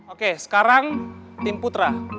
oke sekarang tim putra